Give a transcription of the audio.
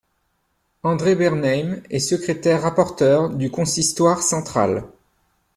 André Bernheim est secrétaire-rapporteur du Consistoire central.